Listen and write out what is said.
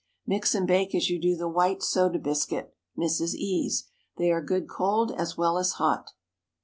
Mix and bake as you do the white soda biscuit (Mrs. E——'s). They are good cold as well as hot.